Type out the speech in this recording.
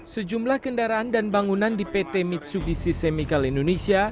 sejumlah kendaraan dan bangunan di pt mitsubishi semical indonesia